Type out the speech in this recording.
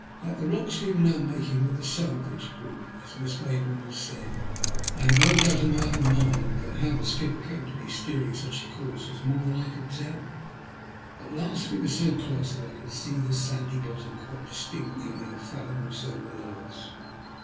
That the rocks we were now making were the Salvage Group, as Miss Mayboume had said, I had no doubt in my own mind, though how the skipper came to be steering such a course was more than I could tell. At last we were so close that I could see the sandy bottom quite distinctly only a fathom or so below us.